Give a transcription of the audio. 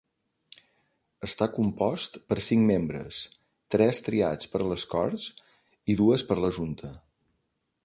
Està compost per cinc membres, tres triats per les Corts i dues per la Junta.